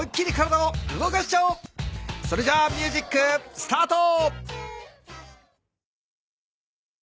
それじゃミュージックスタート。